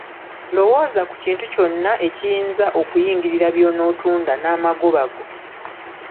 Lowooza ku kintu kyonna ekiyinza okuyingirira by’onotunda n’amagoba go.